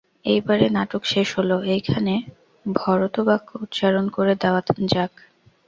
এইবারে নাটক শেষ হল– এইখানে ভরতবাক্য উচ্চারণ করে দেওয়া যাক।